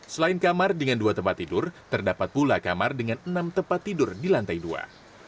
selain kamar dengan dua tempat tidur terdapat pula kamar dengan enam tempat tidur di lantai dua